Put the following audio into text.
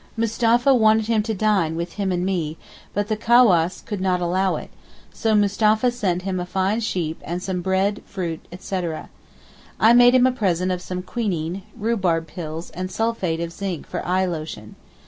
Mustapha wanted him to dine with him and me, but the cawass could not allow it, so Mustapha sent him a fine sheep and some bread, fruit, etc. I made him a present of some quinine, rhubarb pills, and sulphate of zinc for eye lotion.